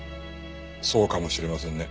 そうかもしれませんね。